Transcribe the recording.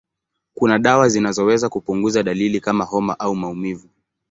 Kuna dawa zinazoweza kupunguza dalili kama homa au maumivu.